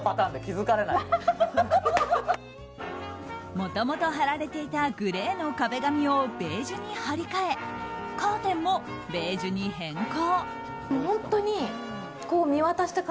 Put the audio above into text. もともと貼られていたグレーの壁紙をベージュに貼り替えカーテンもベージュに変更。